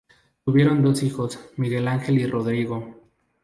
Tuvieron dos hijos, Miguel Ángel y Rodrigo.